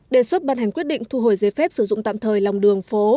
đề xuất ban hành quyết định thu hồi giấy phép sử dụng tạm thời lòng đường phố